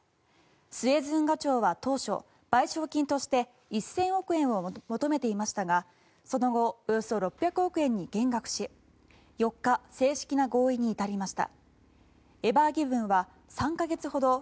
スエズ運河庁は当初賠償金として１０００億円を求めていましたがその後およそ６００億円に減額し４日、正式な合意に至りました。